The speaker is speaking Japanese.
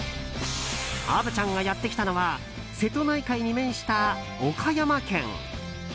虻ちゃんがやってきたのは瀬戸内海に面した岡山県。